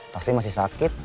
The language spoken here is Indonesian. pasti masih sakit